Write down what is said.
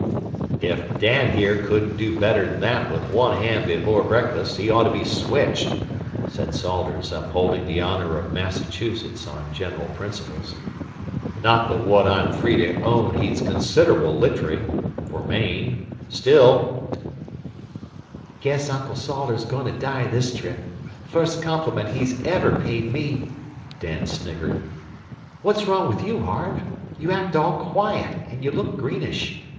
"If Dan here couldn't do better'n that with one hand before breakfast, he ought to be switched," said Salters, upholding the honor of Massachusetts on general principles. "Not but what I'm free to own he's considerable litt'ery fer Maine. Still " "Guess Uncle Salters's goin' to die this trip. Fust compliment he's ever paid me," Dan sniggered. "What's wrong with you, Harve? You act all quiet and you look greenish.